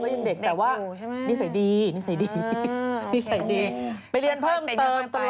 ประมาณนี้ไม่เกิน